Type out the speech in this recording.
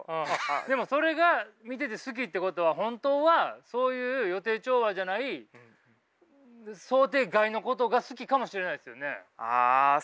でもそれが見てて好きってことは本当はそういう予定調和じゃないあそうかもしれないですね。